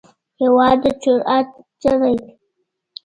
هېواد د جرئت څلی دی.